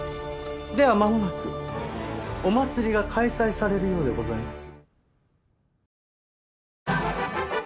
ではまもなくお祭りが開催されるようでございます。